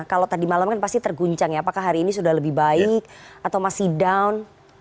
kalau tadi malam kan pasti terguncang ya apakah hari ini sudah lebih baik atau masih down